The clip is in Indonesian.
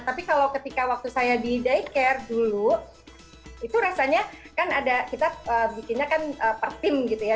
tapi kalau ketika waktu saya di daycare dulu itu rasanya kan ada kita bikinnya kan per tim gitu ya